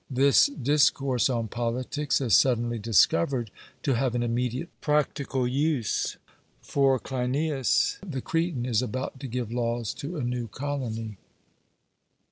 This discourse on politics is suddenly discovered to have an immediate practical use; for Cleinias the Cretan is about to give laws to a new colony.